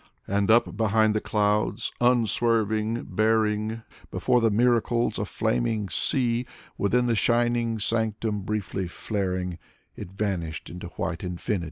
And up behind the clouds, unswerving, bearing, Before the miracles — a flaming sea — Within the shining sanctum briefly flaring, It vanished into white infinity.